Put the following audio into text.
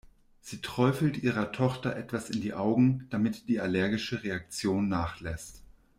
Sie träufelt ihrer Tochter etwas in die Augen, damit die allergische Reaktion nachlässt.